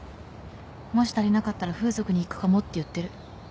もし足りなかったら風俗にいくかもって言ってる。